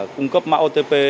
cung cấp mạng otp